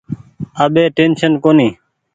اٻي ٽيشن ڪونيٚ۔